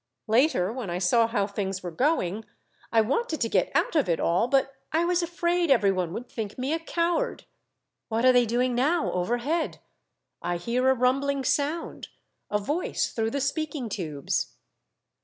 Later, when I saw how things were going, I wanted to get out of it all, but I was afraid every one would think me a coward. What are they doing now overhead ? I hear a rumbling sound — a voice through the speaking tubes.